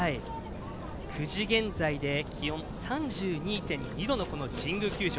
９時現在で気温３２．２度の神宮球場。